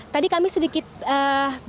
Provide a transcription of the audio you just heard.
tadi kami sedikit berbincang dengan mereka